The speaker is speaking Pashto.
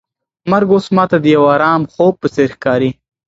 مرګ اوس ماته د یو ارام خوب په څېر ښکاري.